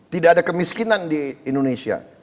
tidak ada kemiskinan di indonesia